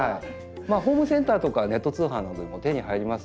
ホームセンターとかネット通販などでも手に入りますので。